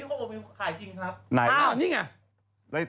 ผมเคยขาย๓ตัวได้๑๔๐๐๐